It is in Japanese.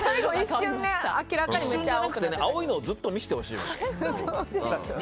青いのをずっと見せてほしかった。